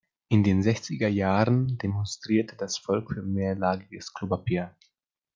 In den sechziger Jahren demonstrierte das Volk für mehrlagiges Klopapier.